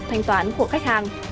thanh toán của khách hàng